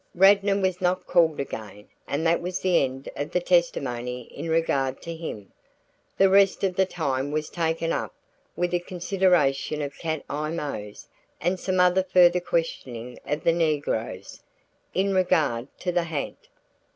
Radnor was not called again and that was the end of the testimony in regard to him. The rest of the time was taken up with a consideration of Cat Eye Mose and some further questioning of the negroes in regard to the ha'nt.